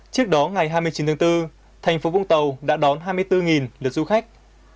trước đó ngày hai mươi chín tháng bốn thành phố vũng tàu đã đón hai mươi bốn lượt du khách